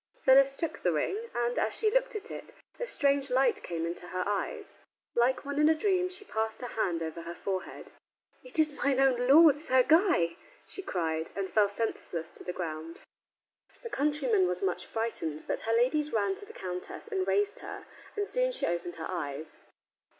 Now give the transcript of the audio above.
Phyllis took the ring, and, as she looked at it, a strange light came into her eyes. Like one in a dream she passed her hand over her forehead. "It is mine own lord, Sir Guy," she cried, and fell senseless to the ground. The countryman was much frightened, but her ladies ran to the countess and raised her, and soon she opened her eyes.